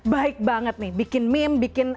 baik banget nih bikin meme bikin